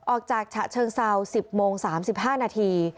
ออกจากฉะเชิงเซา๑๐โมง๓๕นาที